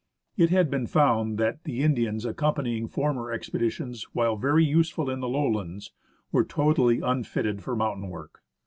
It had been found that the Indians accompanying former expeditions, while very useful in the lowlands, were totally unfitted for mountain work.